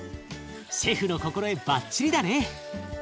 シェフの心得バッチリだね。